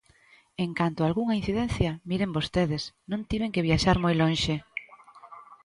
En canto a algunha incidencia, miren vostedes, non tiven que viaxar moi lonxe.